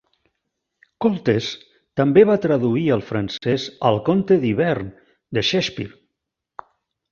Koltes també va traduir al francès "El conte d'hivern" de Shakespeare.